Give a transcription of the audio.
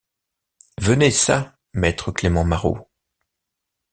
Venez çà, maître Clément Marot!